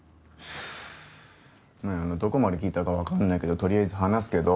どこまで聞いたかわかんないけどとりあえず話すけど。